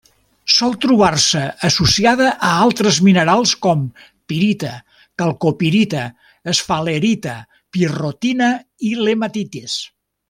Sol trobar-se associada a altres minerals com: pirita, calcopirita, esfalerita, pirrotina i hematites.